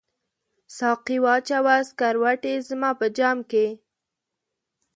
ساقي واچوه سکروټي زما په جام کې